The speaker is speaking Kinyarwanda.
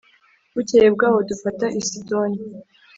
Bukeye bw’aho dufata i Sidoni